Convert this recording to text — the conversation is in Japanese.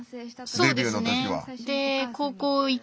そうですねはい。